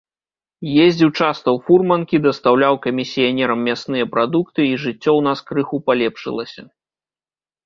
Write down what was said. Ездзіў часта ў фурманкі, дастаўляў камісіянерам мясныя прадукты, і жыццё ў нас крыху палепшылася.